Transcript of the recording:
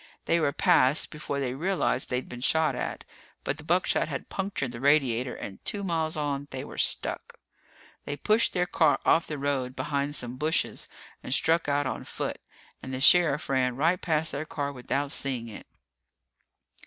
They were past before they realized they'd been shot at. But the buckshot had punctured the radiator, and two miles on, they were stuck. They pushed their car off the road behind some bushes and struck out on foot, and the sheriff ran right past their car without seeing it.